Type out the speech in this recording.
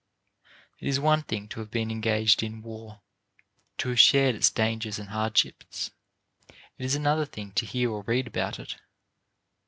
It is one thing to have been engaged in war, to have shared its dangers and hardships; it is another thing to hear or read about it.